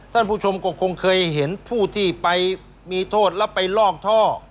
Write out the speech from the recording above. ท่านผู้ชมก็คงเคยเห็นผู้ที่ไปมีโทษแล้วไปลอกท่อ